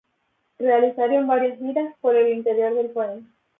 Realizaron varias giras por el interior del país.